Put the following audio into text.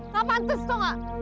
kamu mantus tau gak